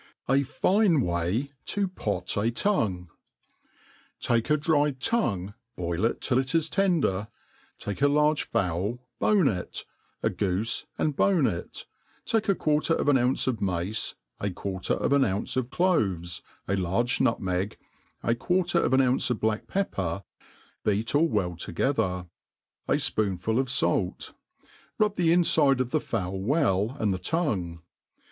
.•••» J fine tf^ay to pot a Tongue* § TAKE a dried tongue, boil it till it is tender, tlen ^eel it \ take a large fowl, bone it ; a goofe, and bone it; take a quar* ter of an ounce of mace, a quarter of an ounce of cloves, a large nutmeg, a quarter of an ounce of black pepper, beat all well together ; a fpoonful of fait yruh the infide of the fowl well, and the tongue.